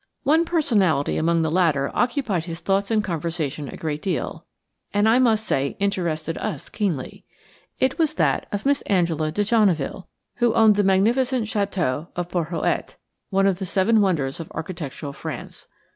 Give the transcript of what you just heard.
One personality among the latter occupied his thoughts and conversation a great deal, and I must say interested us keenly. It was that of Miss Angela de Genneville, who owned the magnificent château of Porhoët, one of the seven wonders of architectural France.